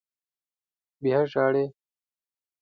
_بيا ژاړې!